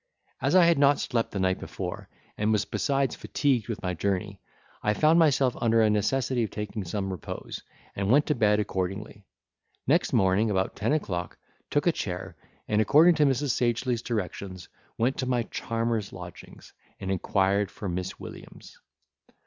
As I had not slept the night before, and was besides fatigued with my journey, I found myself under a necessity of taking some repose, and went to bed accordingly: next morning, about ten o'clock, took a chair, and according to Mrs. Sagely's directions, went to my charmer's lodgings, and inquired for Miss Williams.